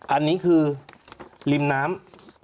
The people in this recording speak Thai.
อันนี้คือริมน้ำ